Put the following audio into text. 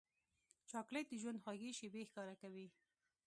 چاکلېټ د ژوند خوږې شېبې ښکاره کوي.